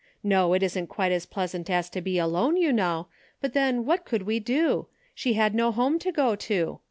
No, it isn't quite as pleasant as to be alone you know, but then what could we do ? She had no home to go to.